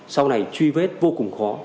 sau này truy vết vô cùng khó